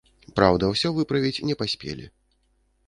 Праўда, усё выправіць не паспелі.